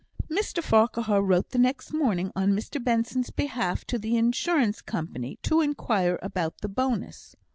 Mr Farquhar wrote the next morning, on Mr Benson's behalf, to the Insurance Company, to inquire about the bonus.